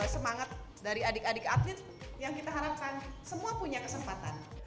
semangat dari adik adik atlet yang kita harapkan semua punya kesempatan